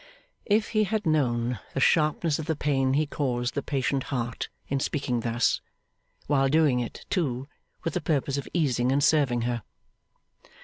If he had known the sharpness of the pain he caused the patient heart, in speaking thus! While doing it, too, with the purpose of easing and serving her.